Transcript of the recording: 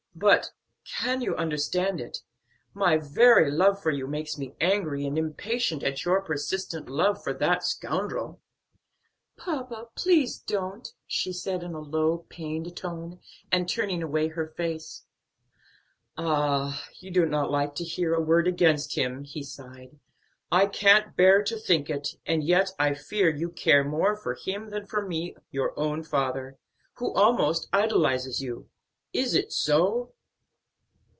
But can you understand it? my very love for you makes me angry and impatient at your persistent love for that scoundrel." "Papa, please don't!" she said in a low, pained tone, and turning away her face. "Ah, you do not like to hear a word against him!" he sighed; "I can't bear to think it, and yet I fear you care more for him than for me, your own father, who almost idolizes you. Is it so?"